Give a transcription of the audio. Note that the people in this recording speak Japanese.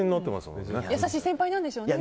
優しい先輩なんでしょうね。